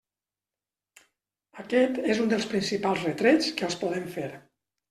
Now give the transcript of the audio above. Aquest és un dels principals retrets que els podem fer.